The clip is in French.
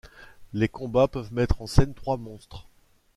Les combats peuvent mettre en scène trois monstres.